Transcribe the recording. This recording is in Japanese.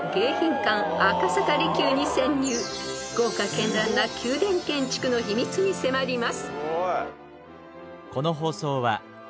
［豪華絢爛な宮殿建築の秘密に迫ります］